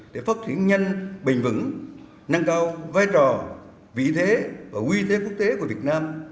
để phát triển nhanh bình vững năng cao vai trò vị thế và quy thế quốc tế của việt nam